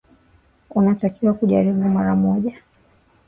Unatakiwa kujaribu mara moja.